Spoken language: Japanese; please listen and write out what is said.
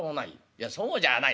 いやそうじゃあない。